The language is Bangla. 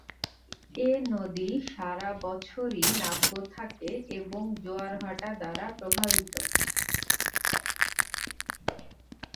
এ নদী সারাবছরই নাব্য থাকে এবং জোয়ারভাটা দ্বারা প্রভাবিত।